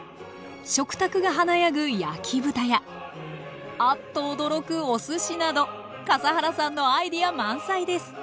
食卓が華やぐ焼き豚やアッと驚くおすしなど笠原さんのアイデア満載です。